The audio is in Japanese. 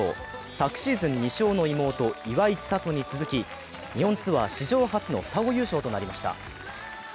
昨シーズン２勝の妹、岩井千怜に続き、日本ツアー史上初の双子優勝となりました。